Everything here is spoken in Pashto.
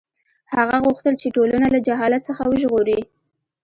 هغه غوښتل چې ټولنه له جهالت څخه وژغوري.